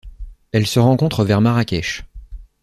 Elle se rencontre vers Marrakech.